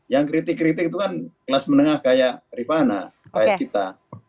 yang kritik kritik itu kan kelas menengah kayak rifana rakyat kita